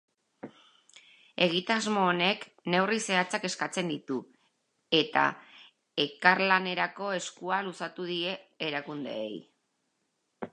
Egitasmo honek neurri zehatzak eskatzen ditu, eta elkarlanerako eskua luzatu die erakundeei.